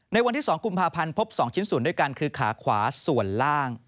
ในวันที่๒กุมภาพันธ์พบ๒ชิ้นส่วนด้วยกันคือขาขวาส่วนล่าง